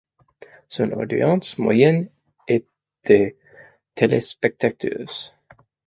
Son audience moyenne est de téléspectateurs.